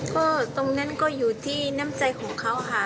ก็ตรงนั้นก็อยู่ที่น้ำใจของเขาค่ะ